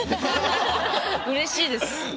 うれしいです。